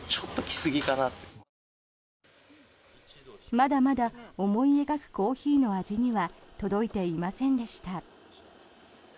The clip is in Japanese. まだまだ思い描くコーヒーの味には届いていませんでした。